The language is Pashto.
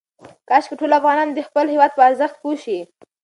کاشکې ټول افغانان د خپل هېواد په ارزښت پوه شي.